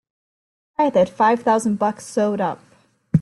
I had that five thousand bucks sewed up!